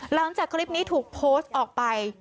หลังจากคลิปนี้ถูกโพสต์ออกไป